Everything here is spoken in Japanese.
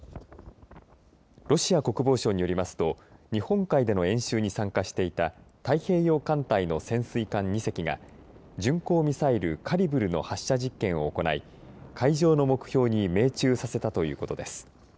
ロシア国防省によりますと日本海での演習に参加していた太平洋艦隊の潜水艦２隻が巡航ミサイルカリブルの発射実験を行い海上の目標に命中させたということです。